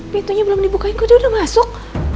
pintunya belum dibukain kok dia udah masuk